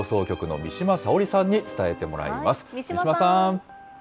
三島さん。